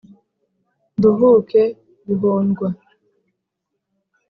Nduhuke guhondwa